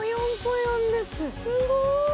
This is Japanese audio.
すごい！